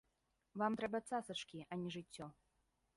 Вам трэба цацачкі, а не жыццё.